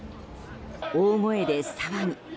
大声で騒ぐ。